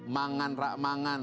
mangan rak mangan